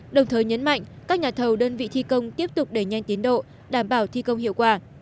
đồng thời nhấn mạnh các nhà thầu đơn vị thi công tiếp tục đẩy nhanh tiến độ đảm bảo thi công hiệu quả